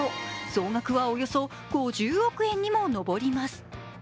総額はおよそ５０億円にも上ります。